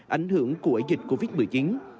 ảnh hưởng của dịch covid một mươi chín